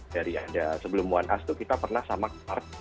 jadi ada sebelum satu a itu kita pernah sama kepart